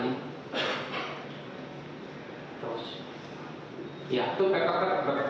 itu patrick bekerjasama